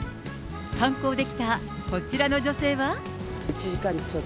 観光で来たこちらの女性は。